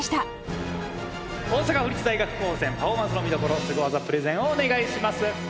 大阪府立大学高専パフォーマンスの見どころすご技プレゼンをお願いします。